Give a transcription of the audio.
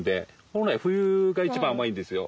本来冬が一番甘いんですよ。